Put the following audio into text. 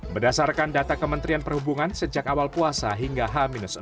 berdasarkan data kementerian perhubungan sejak awal puasa hingga h enam